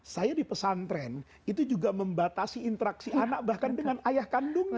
saya di pesantren itu juga membatasi interaksi anak bahkan dengan ayah kandungnya